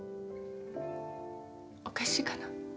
おかしいかな？